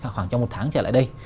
khoảng trong một tháng trở lại đây